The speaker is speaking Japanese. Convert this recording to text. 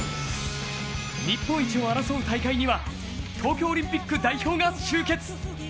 日本一を争う大会には東京オリンピック代表が集結。